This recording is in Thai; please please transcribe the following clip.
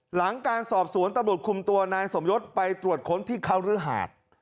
หลังการสอบสวนตำรวจคุมตัวนายสมยศไปตรวจค้นที่เขารื้อหาด